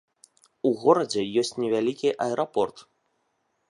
У горадзе ёсць невялікі аэрапорт.